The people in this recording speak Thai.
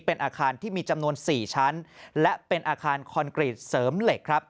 เป็นอาคารที่มีจำนวน๔ชั้นและเป็นอาคารคอนกรีตเสริมเหล็กครับ